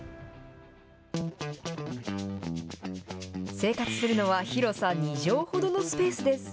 生活するのは広さ２畳ほどのスペースです。